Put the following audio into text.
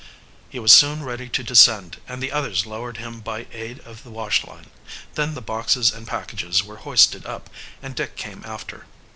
He was soon ready to descend, and the others lowered him by aid of the wash line. Then the boxes and packages were hoisted up, and Dick came after.